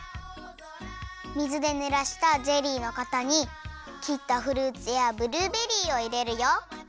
水でぬらしたゼリーのかたにきったフルーツやブルーベリーをいれるよ！